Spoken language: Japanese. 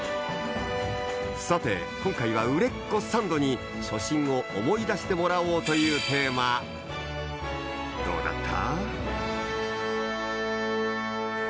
さて今回は売れっ子サンドに初心を思い出してもらおうというテーマどうだった？